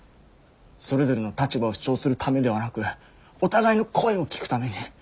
それぞれの立場を主張するためではなくお互いの声を聞くために。